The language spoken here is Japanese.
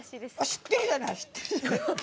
知ってるじゃない！